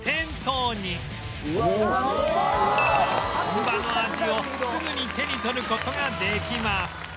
本場の味をすぐに手に取る事ができます